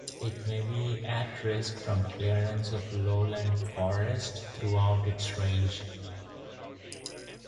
It may be at risk from clearance of lowland forest throughout its range.